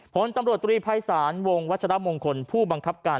ผลตำรดตรีภัยสานวงวจรัพย์มงคลผู้บังคับการ